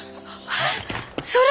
あっそれ！